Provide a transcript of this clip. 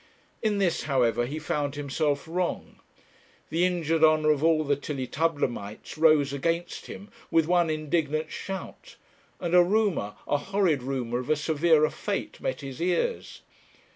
In this, however, he found himself wrong. The injured honour of all the Tillietudlemites rose against him with one indignant shout; and a rumour, a horrid rumour, of a severer fate met his ears.